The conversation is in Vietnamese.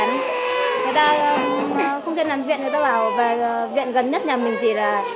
người ta không kênh làm viện người ta bảo viện gần nhất nhà mình thì là